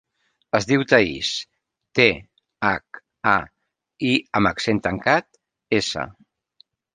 Es diu Thaís: te, hac, a, i amb accent tancat, essa.